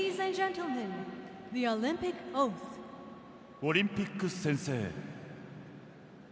オリンピック宣誓。